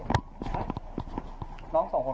มีคนที่ตั้งความ